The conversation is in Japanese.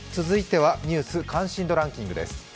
続いてはニュース関心度ランキングです。